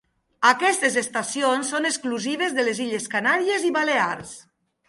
Aquestes estacions són exclusives de les illes Canàries i Balears.